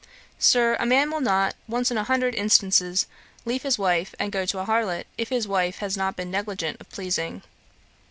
Sir, a man will not, once in a hundred instances, leave his wife and go to a harlot, if his wife has not been negligent of pleasing.'